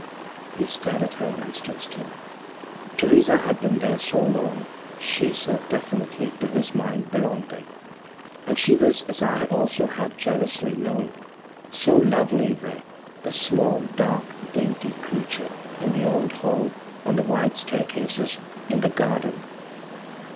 He stared at her and stood still. Theresa had been there so long, she so definitely, to his mind, belonged there. And she was, as I also had jealously known, so lovely there, the small, dark, dainty creature, in the old hall, on the wide staircases, in the garden....